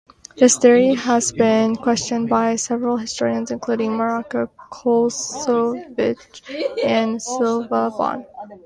This theory has been questioned by several historians, including Marco Coslovich and Silva Bon.